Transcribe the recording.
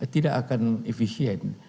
tidak akan efisien